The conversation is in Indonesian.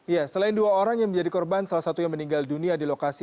ya selain dua orang yang menjadi korban salah satu yang meninggal dunia di lokasi